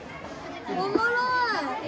おもろい！